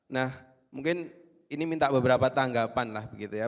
nah mungkin ini minta beberapa tanggapan lah begitu ya